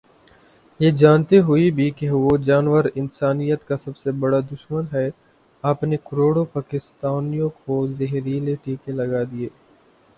یہ جانتے ہوئے بھی کہ وہ جانور انسانیت کا سب سے بڑا دشمن ہے آپ نے کروڑوں پاکستانیوں کو زہریلے ٹیکے لگا دیے۔۔